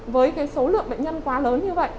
với số lượng bệnh nhân quá lớn như vậy